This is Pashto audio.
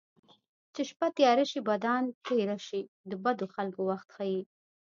چې شپه تیاره شي بدان تېره شي د بدو خلکو وخت ښيي